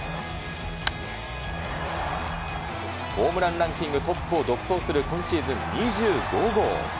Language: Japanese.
ホームランランキングトップを独走する、今シーズン２５号。